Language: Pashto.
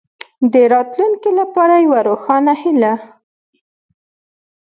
د راتلونکې لپاره یوه روښانه هیله.